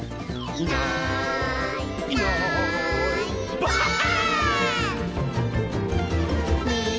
「いないいないばあっ！」